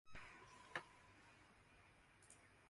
دوسرے آج یہاں دوسری جگہ رہتے ہیں